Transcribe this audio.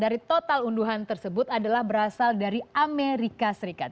jadi total unduhan tersebut adalah berasal dari amerika serikat